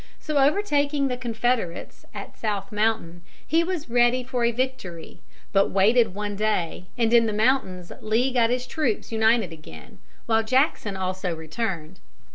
So, overtaking the Confederates at South Mountain, he was ready for a victory, but waited one day; and in the mountains Lee got his troops united again, while Jackson also returned.